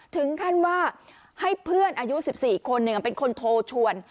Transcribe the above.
ถึงขั้นว่าให้เพื่อนอายุ๑๔คนหนึ่งเป็นคนโทรชวน